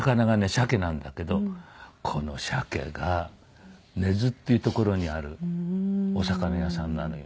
シャケなんだけどこのシャケが根津っていう所にあるお魚屋さんなのよ。